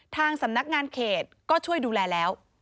ทางสำนักงานเขตก็ช่วยดูแลแล้ว